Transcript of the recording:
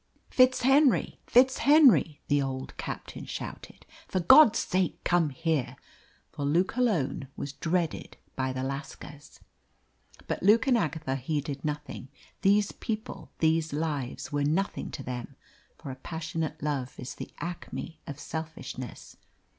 "FitzHenry! FitzHenry!" the old captain shouted. "For God's sake, come here!" For Luke alone was dreaded by the lascars. But Luke and Agatha heeded nothing. These people, these lives, were nothing to them, for a passionate love is the acme of selfishness.